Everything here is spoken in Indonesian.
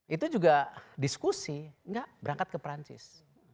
itu juga diskusi nggak berangkat ke perancis